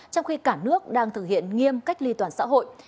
trong khi cả nước đang thực hiện nghiêm cách ly toàn xã hội